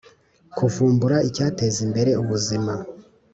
kuvumbura icyateza imbere ubuzima